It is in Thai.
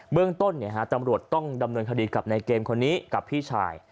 เรื่องต้นตำรวจต้องดำเนินคดีกับในเกมคนนี้กับพี่ชาย